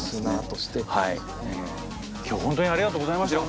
今日本当にありがとうございました！